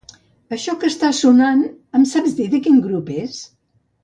Això que està sonant em saps dir de quin grup és?